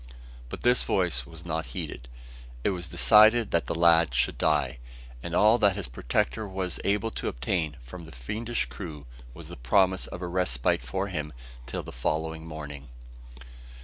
But this voice was not heeded. It was decided that the lad should die: and all that his protector was able to obtain from the fiendish crew, was the promise of a respite for him till the following morning.